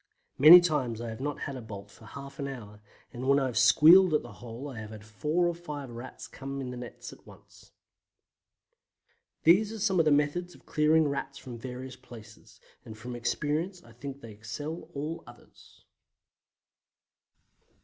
Many times I have not had a bolt for half an hour and when I have squealed at the hole I have had four or five Rats in the nets at once. These are some of the methods of clearing Rats from various places, and from experience I think they excel all others.